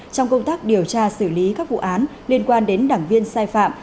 trong công tác điều tra xử lý các vụ án liên quan đến đảng viên sai phạm